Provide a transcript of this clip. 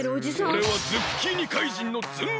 おれはズッキーニ怪人のええっ！？